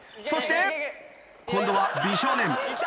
そして今度は美少年。